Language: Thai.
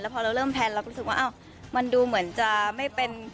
พอเราเริ่มแพลนเราก็รู้สึกว่าอ้าวมันดูเหมือนจะไม่เป็น